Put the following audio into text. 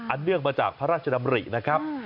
เนื่องมาจากพระราชดำรินะครับ